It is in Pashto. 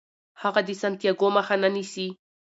هغه د سانتیاګو مخه نه نیسي.